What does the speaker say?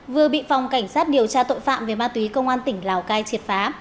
vừa bị phòng cảnh sát điều tra tội phạm về ma túy công an tỉnh lào cai triệt phá